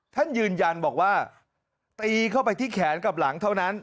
ท่านยืนยันบอกว่าตีเข้าไปที่แขนกับหลังเท่านั้น